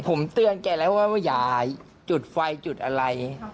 ผมเตือนแกแล้วว่าอย่าจุดไฟจุดอะไร